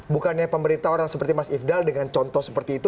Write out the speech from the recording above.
bukannya pemerintah orang seperti mas ifdal dengan contoh seperti itu